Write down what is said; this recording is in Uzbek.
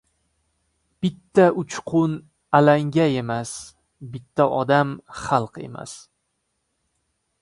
• Bitta uchqun ― alanga emas, bitta odam ― xalq emas.